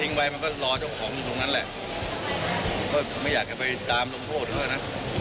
ตอนแรกท่านกัดจะเอาไปเรียกเองหรือ